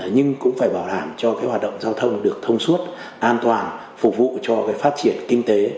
nhưng cũng phải bảo đảm cho cái hoạt động giao thông được thông suốt an toàn phục vụ cho phát triển kinh tế